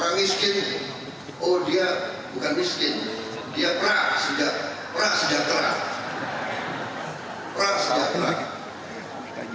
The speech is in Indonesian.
orang miskin oh dia bukan miskin dia pra sejak terang